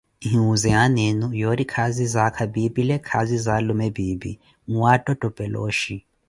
Muhiwuuze aana enu yoori, khaazi za aakha pipile, khaazi za alume piipi, nwattottopele ooxhi.